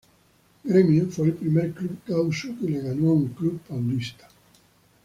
Grêmio fue el primer club gaúcho que le ganó a un club paulista.